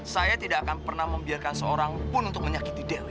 saya tidak akan pernah membiarkan seorang pun untuk menyakiti del